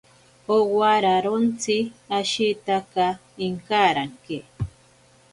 Owararontsi ashitaka inkaranke.